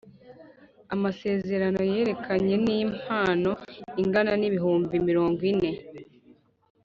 Amasezerano yerekeranye n’impano ingana n’ibihumbi mirongo ine